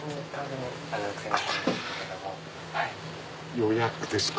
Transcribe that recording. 予約ですか。